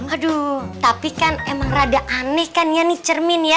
aduh tapi kan emang rada aneh kan ya nih cermin ya